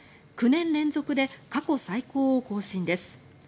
９年連続で過去最高を更新です。